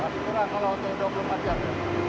masih kurang kalau untuk dua puluh empat jam